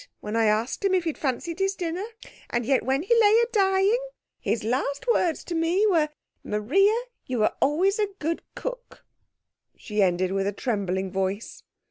when I asked him if he'd fancied his dinner. And yet, when he lay a dying, his last words to me was, 'Maria, you was always a good cook!'" She ended with a trembling voice.